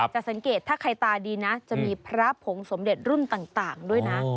จะสังเกตถ้าใครตาดีนะจะมีพระผงสมเด็จรุ่นต่างด้วยนะ